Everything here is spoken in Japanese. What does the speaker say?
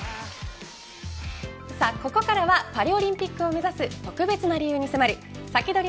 ここからはパリオリンピックを目指す特別な理由に迫るサキドリ！